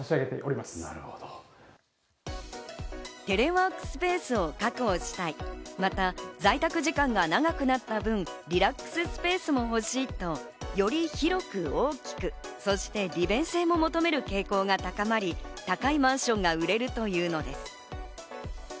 テレワークスペースを確保したい、または在宅時間が長くなった分、リラックススペースも欲しいと、より広く大きく、そして利便性も求める傾向が高まり、高いマンションが売れるというのです。